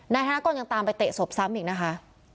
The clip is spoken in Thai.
ธนกรยังตามไปเตะศพซ้ำอีกนะคะ